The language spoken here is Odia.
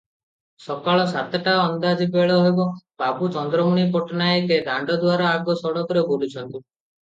ସକାଳ ସାତଟା ଅନ୍ଦାଜ ବେଳ ହେବ, ବାବୁ ଚନ୍ଦ୍ରମଣି ପଟ୍ଟାନାୟକେ ଦାଣ୍ଡଦୁଆର ଆଗ ସଡ଼କରେ ବୁଲୁଛନ୍ତି ।